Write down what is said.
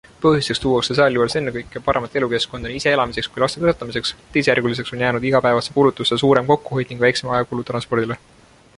Põhjusteks tuuakse sealjuures ennekõike paremat elukeskkonda nii ise elamiseks kui laste kasvatamiseks, teisejärguliseks on jäänud igapäevaste kulutuste suurem kokkuhoid ning väiksem ajakulu transpordile.